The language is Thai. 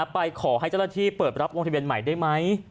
ไปขอให้เจ้าหน้าที่เปิดรับลงทะเบียนใหม่ได้ไหม